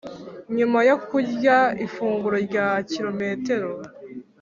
nyuma yo kurya ifunguro rya kilometero